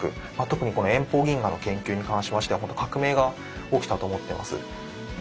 特にこの遠方銀河の研究に関しましてはほんと革命が起きたと思ってます。